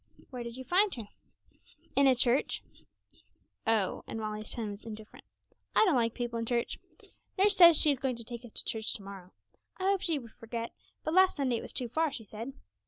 'Where did you find her?' 'In a church.' 'Oh!' and Molly's tone was indifferent; 'I don't like people in church. Nurse says she is going to take us to church to morrow. I hoped she would forget; last Sunday it was too far, she said.